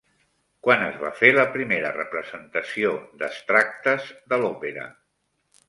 Quan es va fer la primera representació d'extractes de l'òpera?